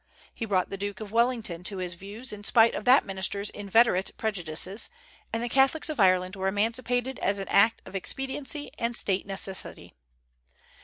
He brought the Duke of Wellington to his views in spite of that minister's inveterate prejudices, and the Catholics of Ireland were emancipated as an act of expediency and state necessity.